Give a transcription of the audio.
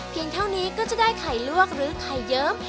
เท่านี้ก็จะได้ไข่ลวกหรือไข่เยิ้ม